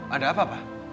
ada apa pak